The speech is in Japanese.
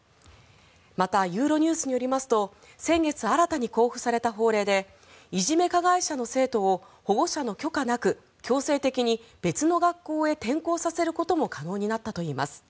また、ユーロニュースによりますと先月新たに公布された法令でいじめ加害者の生徒を保護者の許可なく強制的に別の学校へ転校させることも可能になったといいます。